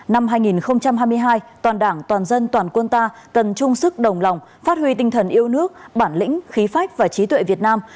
năm hai nghìn hai mươi hai toàn đảng toàn dân toàn quân ta cần chung sức đồng lòng phát huy tinh thần yêu nước bản lĩnh khí phách và trí tuệ việt nam